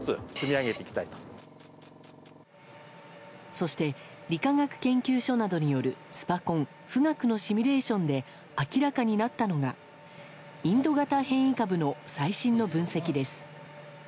そして理化学研究所などによるスパコン「富岳」のシミュレーションで明らかになったのがインド型変異株の最新の分析です。